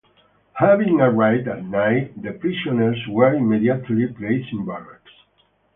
Having arrived at night, the prisoners were immediately placed in barracks.